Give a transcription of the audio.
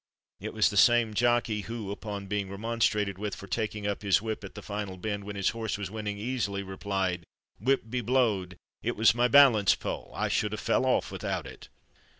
It was the same jockey who, upon being remonstrated with for taking up his whip at the final bend, when his horse was winning easily, replied: "whip be blowed! it was my balance pole: I should have fell off without it!"